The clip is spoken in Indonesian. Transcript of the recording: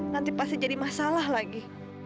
nanti pasti jadi masalah lagi